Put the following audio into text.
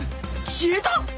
消えた！？